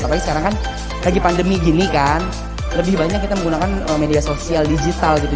apalagi sekarang kan lagi pandemi gini kan lebih banyak kita menggunakan media sosial digital gitu